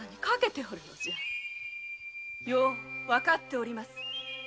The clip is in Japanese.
よくわかっております。